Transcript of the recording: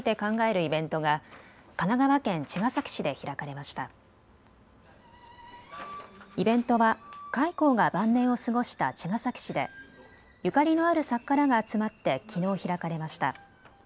イベントは開高が晩年を過ごした茅ヶ崎市でゆかりのある作家らが集まってきのう開かれました。